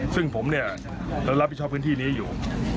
ซึ่งผมเนี่ยรับผิดชอบพื้นที่นี้อยู่